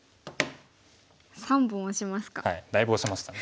３本オシますか。